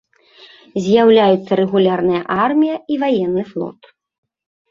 З'яўляюцца рэгулярная армія і ваенны флот.